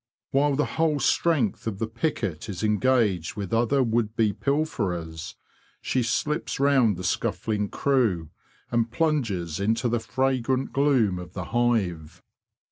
While the whole strength of the picket is engaged with other would be pilferers, she slips round the scuffling crew, and plunges into the fragrant gloom of the hive.